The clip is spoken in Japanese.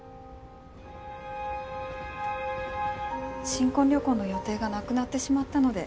新婚旅行の予定がなくなってしまったので。